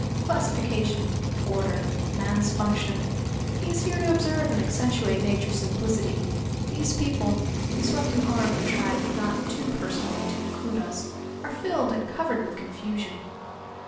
Classification order man's function. He is here to observe and accentuate Nature's simplicity. These people" he swept an arm that tried not too personally to include us "are filled and covered with confusion."